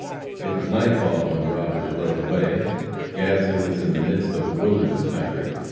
It was nightfall when the robbers rode away. Gadshill is in the midst of a wilderness country.